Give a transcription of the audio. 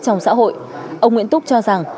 trong xã hội ông nguyễn túc cho rằng